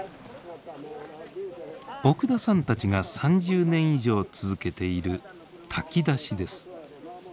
奥田さんたちが３０年以上続けている炊き出しです。